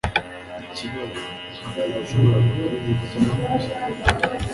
Ikibazo ntabwo nashoboraga kuririmba cyangwa kubyina